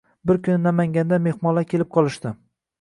Bir kuni Namangandan mehmonlar kelib qolishdi.